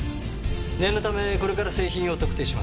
念のためこれから製品を特定します。